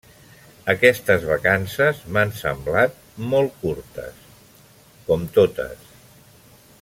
Aquestes vacances m'han semblat molt curtes, com totes.